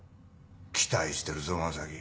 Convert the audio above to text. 期待してるぞ正樹。